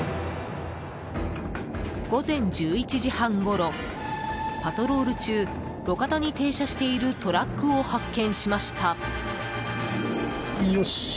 午前１１時半ごろ、パトロール中路肩に停車しているトラックを発見しました。